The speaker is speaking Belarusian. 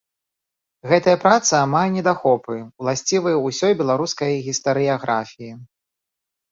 Гэтая праца мае недахопы, уласцівыя ўсёй беларускай гістарыяграфіі.